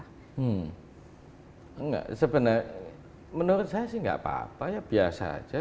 hmm enggak sebenarnya menurut saya sih enggak apa apa ya biasa aja